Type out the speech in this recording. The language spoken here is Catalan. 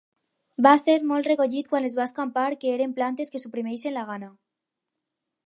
Va ser molt recollit quan es va escampar que eren plantes que suprimeixen la gana.